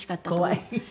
怖い。